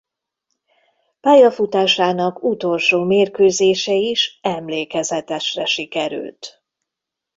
Pályafutásának utolsó mérkőzése is emlékezetesre sikerült.